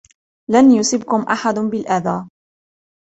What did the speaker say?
لن يصبكم أحد بالأذى.